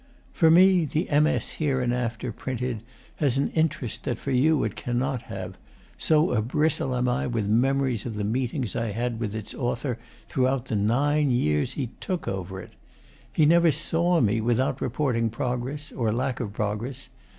For me the MS. hereinafter printed has an interest that for you it cannot have, so a bristle am I with memories of the meetings I had with its author throughout the nine years he took over it. He never saw me without reporting progress, or lack of progress.